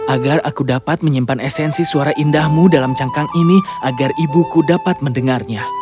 agar aku dapat menyimpan esensi suara indahmu dalam cangkang ini agar ibuku dapat mendengarnya